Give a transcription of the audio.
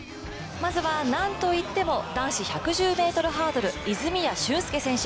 まずはなんといっても、男子１１０ｍハードル泉谷駿介。